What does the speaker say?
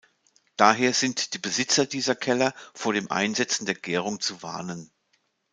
Daher sind die Besitzer dieser Keller vor dem Einsetzen der Gärung zu warnen.